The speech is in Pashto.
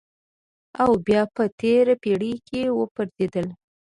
او بیا په تېره پېړۍ کې وپرځېدل.